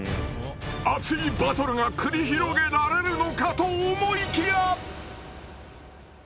熱いバトルが繰り広げられるのかと思いきや。